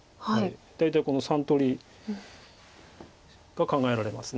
大体この３通りが考えられます。